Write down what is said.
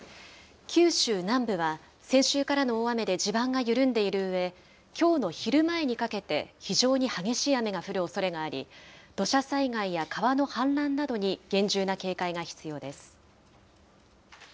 九州南部は先週からの大雨で地盤が緩んでいるうえ、きょうの昼前にかけて非常に激しい雨が降るおそれがあり、土砂災害や川の氾濫などに厳重な警戒が必要です。